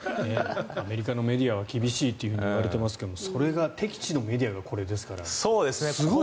アメリカのメディアは厳しいといわれてますがそれが敵地のメディアがこれですから、すごいですね。